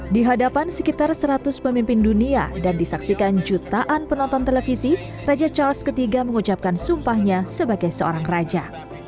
di hadapan sekitar seratus pemimpin dunia dan disaksikan jutaan penonton televisi raja charles iii mengucapkan sumpahnya sebagai seorang raja